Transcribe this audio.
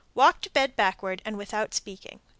Walk to bed backward and without speaking.